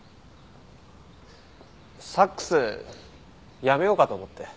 サックスやめようかと思って。